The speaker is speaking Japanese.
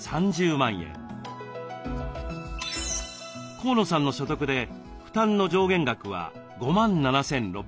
河野さんの所得で負担の上限額は５万７，６００円。